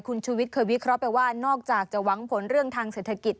คุณชุวิตเคยวิเคราะห์ไปว่านอกจากจะหวังผลเรื่องทางเศรษฐกิจ